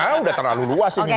karena udah terlalu luas ini mbak